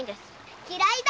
嫌いだ！